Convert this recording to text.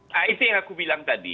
nah itu yang aku bilang tadi